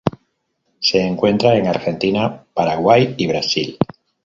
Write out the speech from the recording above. Se encuentra en Argentina, Paraguay y Brasil.